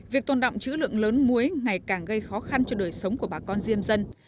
việc tồn động chữ lượng lớn muối ngày càng gây khó khăn cho đời sống của bà con diêm dân